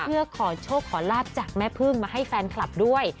เพื่อขอโชคขอลาบจากแม่พึ่งมาให้แฟนคลับด้วย